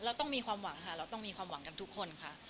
เราต้องมีความหวังค่ะเราต้องมีความหวังกันทุกคนค่ะ